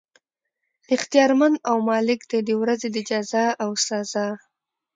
اختيار مند او مالک دی د ورځي د جزاء او سزاء